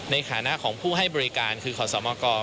ในฐานะของผู้ให้บริการคือขอสมก